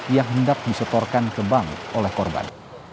yang hendak disetorkan ke bank oleh korban